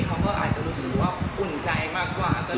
เขาก็อาจจะรู้สึกว่าอุ่นใจมากกว่า